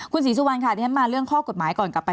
คุณศรีสุวรรณค่ะที่ฉันมาเรื่องข้อกฎหมายก่อนกลับไป